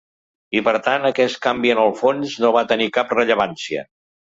I per tant aquest canvi en el fons no va tenir cap rellevància.